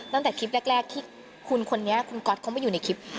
ตั้งแต่คลิปแรกที่คุณคนนี้คุณก๊อตเขาไม่อยู่ในคลิป